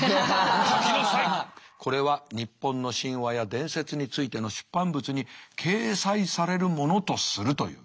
「これは日本の神話や伝説についての出版物に掲載されるものとする」という。